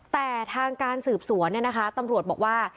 แต่ทางการสืบสวนเนี่ยนะคะตำรวจบอกว่า